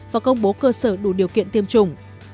và công bố cơ sở đủ điều kiện tiêm chủng